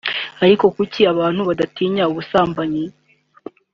Ariko kuki abantu badatinya ubusambanyi